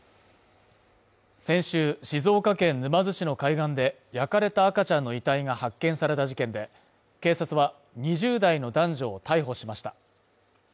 先週、静岡県沼津市の海岸で焼かれた赤ちゃんの遺体が発見された事件で警察は２０代の男女を逮捕しました。